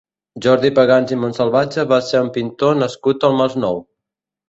Jordi Pagans i Monsalvatje va ser un pintor nascut al Masnou.